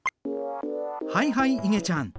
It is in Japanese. はいはいいげちゃん。